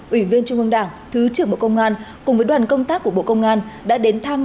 ủy viên trung ương đảng thứ trưởng bộ công an cùng với đoàn công tác của bộ công an đã đến thăm